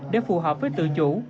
để phù hợp với tự chủ